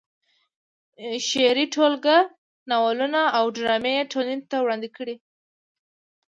شعري ټولګې، ناولونه او ډرامې یې ټولنې ته وړاندې کړې دي.